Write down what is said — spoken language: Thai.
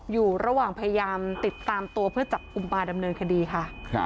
อยู่ระหว่างพยายามติดตามตัวเพื่อจับกลุ่มปลาดำเนินคดีค่ะ